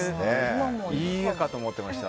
いいえ、かと思ってました